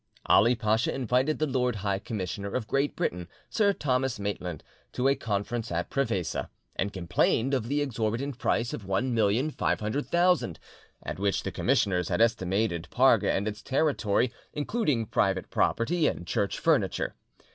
Ali Pacha invited the Lord High Commissioner of Great Britain, Sir Thomas Maitland, to a conference at Prevesa, and complained of the exorbitant price of 1,500,000, at which the commissioners had estimated Parga and its territory, including private property and church furniture.